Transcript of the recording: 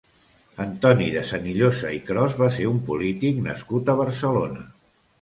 Antoni de Senillosa i Cros va ser un polític nascut a Barcelona.